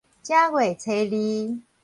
正月初二